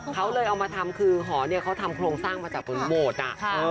เขาเลยเอามาทำคือหอเนี่ยเขาทำโครงสร้างมาจากบนโหมด